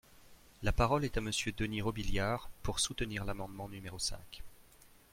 La parole est à Monsieur Denys Robiliard, pour soutenir l’amendement numéro cinq.